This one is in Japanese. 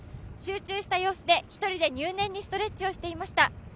集中した様子で、１人で入念にストレッチをしていました。